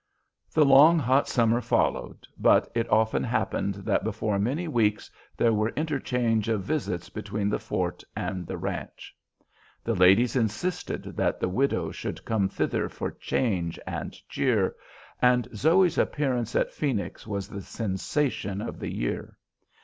The long hot summer followed, but it often happened that before many weeks there were interchanges of visits between the fort and the ranch. The ladies insisted that the widow should come thither for change and cheer, and Zoe's appearance at Phoenix was the sensation of the year.